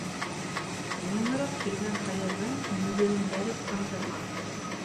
Мөңөрәп килгән һыйырҙың мөгөҙөн бәреп һындырма.